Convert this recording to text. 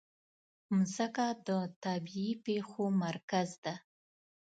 مځکه د طبیعي پېښو مرکز ده.